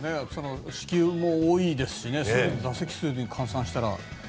四球も多いですし打席数で換算したら。